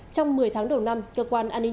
trong một mươi tháng đầu năm cơ quan an ninh địa chỉ